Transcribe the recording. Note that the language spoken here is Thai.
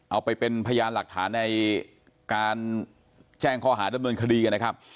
เอาไปเป็นพยานหลักฐานในการแจ้งข้อหาดำเนินคดีกันนะครับ